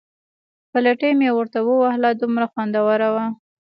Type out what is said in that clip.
پلتۍ مې ورته ووهله، دومره خوندوره وه.